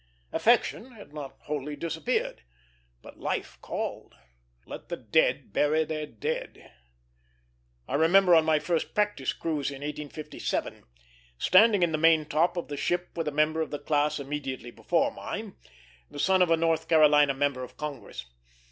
Affection had not wholly disappeared; but life called. Let the dead bury their dead. I remember on my first practice cruise, in 1857, standing in the main top of the ship with a member of the class immediately before mine, the son of a North Carolina member of Congress.